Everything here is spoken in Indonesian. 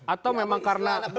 atau memang karena